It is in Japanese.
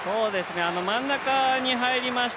真ん中に入りました